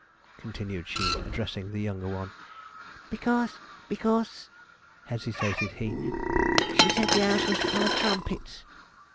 continued she, addressing the younger one. 'Because because,' hesitated he, 'she said the house was full of trumpets.'